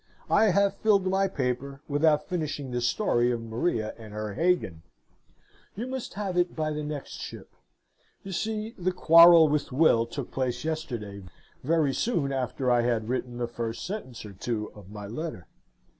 I have filled my paper, without finishing the story of Maria and her Hagan. You must have it by the next ship. You see, the quarrel with Will took place yesterday, very soon after I had written the first sentence or two of my letter.